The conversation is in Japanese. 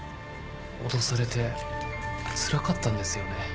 脅されてつらかったんですよね。